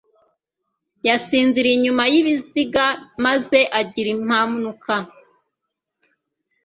yasinziriye inyuma y'ibiziga maze agira impanuka